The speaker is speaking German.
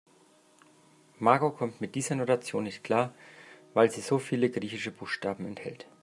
Marco kommt mit dieser Notation nicht klar, weil sie so viele griechische Buchstaben enthält.